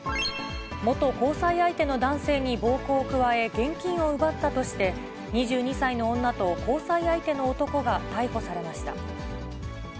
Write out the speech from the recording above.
元交際相手の男性に暴行を加え、現金を奪ったとして、２２歳の女と交際相手の男が逮捕されました。